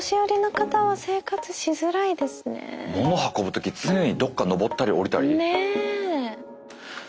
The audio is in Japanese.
物運ぶ時常にどっか上ったり下りたり。